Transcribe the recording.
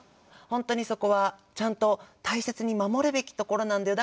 本当にそこはちゃんと大切に守るべきところなんだよ。